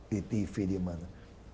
di tv di mana